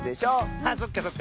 あっそっかそっか。